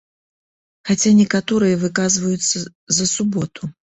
Хаця некаторыя выказваюцца за суботу.